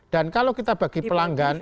dan kalau kita bagi pelanggan